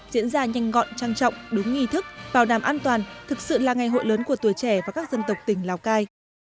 diễn ra nhanh gọn trang trọng đúng nghi thức bảo đảm an toàn thực sự là ngày hội lớn của tuổi trẻ và các dân tộc tỉnh lào cai